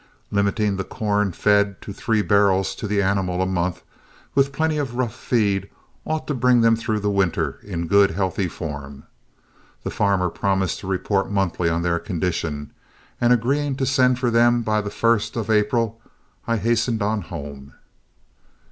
Limiting the corn fed to three barrels to the animal a month, with plenty of rough feed, ought to bring them through the winter in good, healthy form. The farmer promised to report monthly on their condition, and agreeing to send for them by the first of April, I hastened on home.